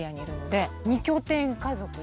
２拠点家族で。